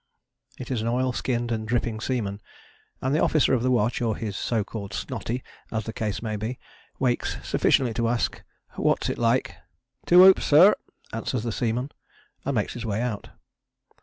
It is an oilskinned and dripping seaman, and the officer of the watch, or his so called snotty, as the case may be, wakes sufficiently to ask: "What's it like?" "Two hoops, sir!" answers the seaman, and makes his way out.